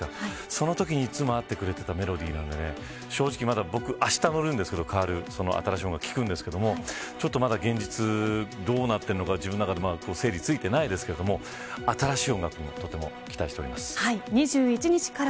そのときに、いつもあってくれたメロディーなんで正直、僕またあした乗るんですけど変わる音楽、聞くんですけど現実どうなってるのか自分の中で整理がついてないですけど新しい音楽もとても期待しております。